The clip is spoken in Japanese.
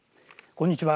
こんにちは。